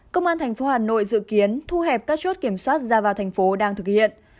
công an thành phố hà nội dự kiến thu hẹp các chốt kiểm soát ra vào thành phố đang thực hiện